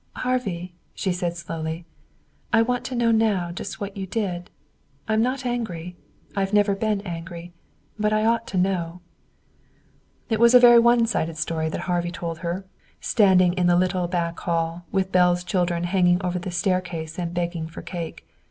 "Harvey," she said slowly, "I want to know now just what you did. I'm not angry. I've never been angry. But I ought to know." It was a very one sided story that Harvey told her, standing in the little back hall, with Belle's children hanging over the staircase and begging for cake.